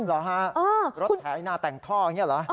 เหรอฮะรถไถนาแต่งท่ออย่างนี้เหรอ